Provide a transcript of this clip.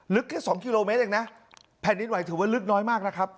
แค่สองกิโลเมตรเองนะแผ่นดินไหวถือว่าลึกน้อยมากนะครับ